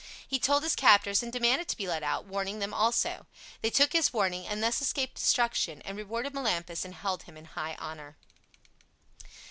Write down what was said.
He told his captors and demanded to be let out, warning them also. They took his warning, and thus escaped destruction, and rewarded Melampus and held him in high honor.